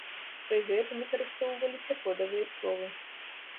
Пры гэтым выкарыстоўваліся кодавыя словы.